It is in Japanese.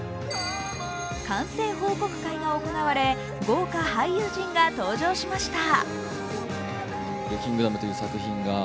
完成報告会が行われ、豪華俳優陣が登場しました。